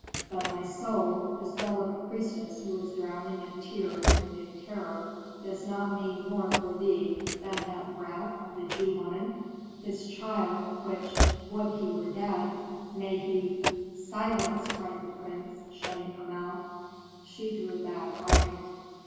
But my soul the soul of a priestess who is drowning in tears and in terror does not mean more for thee than that brat of the Jew woman this child, which, would he were dead may he " "Silence!" cried the prince, shutting her mouth. She drew back frightened.